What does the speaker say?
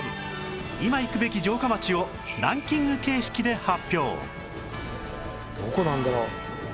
今行くべき城下町をランキング形式で大発表